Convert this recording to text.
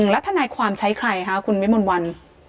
แล้วทนายความใช้ใครคะคุณวิมนต์วัน